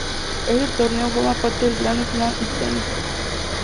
Este torneo forma parte del Grand Slam de tenis.